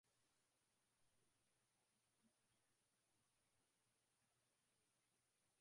i itakuwa ni vigumu yeye kush ku kushiriki